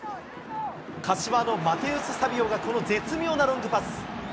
柏のマテウス・サビオが、この絶妙なロングパス。